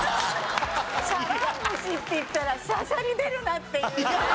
「茶わん蒸し」って言ったら「しゃしゃり出るな」って。